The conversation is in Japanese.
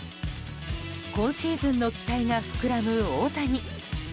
今シーズンの期待が膨らむ大谷。